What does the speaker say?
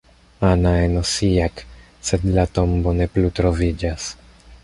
Ana" en Osijek, sed la tombo ne plu troviĝas.